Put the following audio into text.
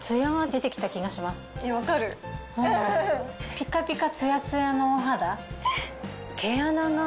ピカピカツヤツヤのお肌。